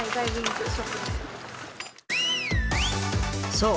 そう！